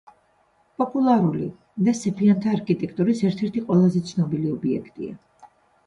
პოპულარული და სეფიანთა არქიტექტურის ერთ-ერთი ყველაზე ცნობილი ობიექტია.